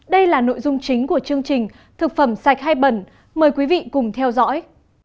đây là nội dung chính của chương trình thực phẩm sạch hay bẩn mời quý vị cùng theo dõi